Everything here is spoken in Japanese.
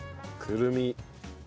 くるみ。